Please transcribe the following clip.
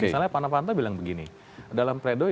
misalnya pak novanto bilang begini dalam pledoi